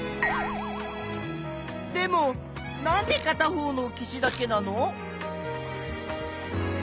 でもなんでかた方の岸だけなの？